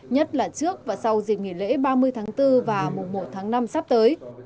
nhất là trước và sau dịp nghỉ lễ ba mươi tháng bốn và mùng một tháng năm sắp tới